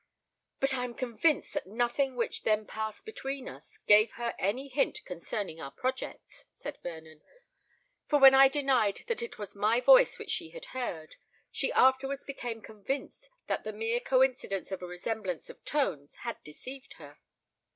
"But I am convinced that nothing which then passed between us, gave her any hint concerning our projects," said Vernon; "for when I denied that it was my voice which she had heard, she afterwards became convinced that the mere coincidence of a resemblance of tones had deceived her.